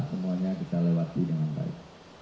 semuanya kita lewati dengan baik